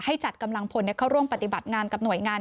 จัดกำลังพลเข้าร่วมปฏิบัติงานกับหน่วยงาน